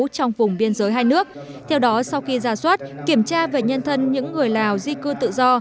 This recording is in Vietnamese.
trong vùng biên giới hai nước theo đó sau khi ra soát kiểm tra về nhân thân những người lào di cư tự do